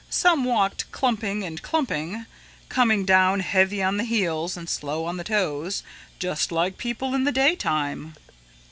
Some walked clumping and clumping, coming down heavy on the heels and slow on the toes, just like people in the daytime.